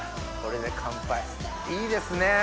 これで乾杯いいですね。